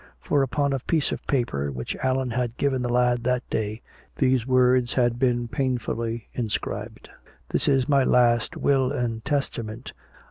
For upon a piece of paper which Allan had given the lad that day, these words had been painfully inscribed: "This is my last will and testament.